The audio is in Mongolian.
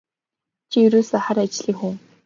Чи ерөөсөө л хар ажлын хүн.